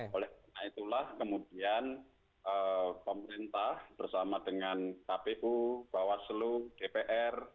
oleh karena itulah kemudian pemerintah bersama dengan kpu bawaslu dpr